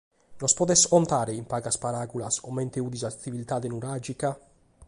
Nos podes contare in pagas peraulas comente fiat sa tziviltade nuràgica?